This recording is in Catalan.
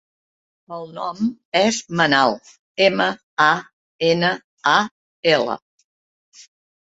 El nom és Manal: ema, a, ena, a, ela.